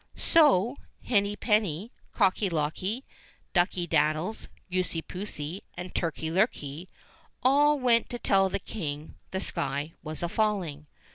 So Henny penny, Cocky locky, Ducky dad dies, Goosey poosey, and Turkey lurkey all went to tell the King the sky was a falling.